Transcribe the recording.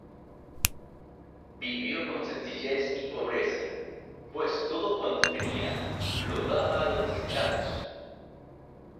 Vivió con sencillez y pobreza, pues todo cuanto tenía lo daba a los necesitados.